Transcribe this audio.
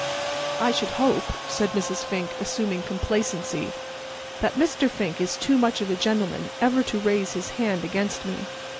"I should hope," said Mrs. Fink, assuming complacency, "that Mr. Fink is too much of a gentleman ever to raise his hand against me."